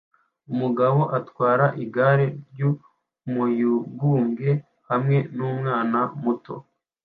Umugabo atwara igare ry'umuyugubwe hamwe n'umwana muto